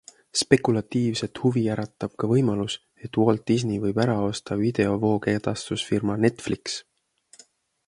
Spekulatiivset huvi äratab ka võimalus, et Walt Disney võib ära osta videovoogedastusfirma Netflix.